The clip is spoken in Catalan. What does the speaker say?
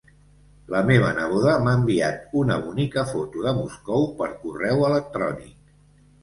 La meva neboda m'ha enviat una bonica foto de Moscou per correu electrònic.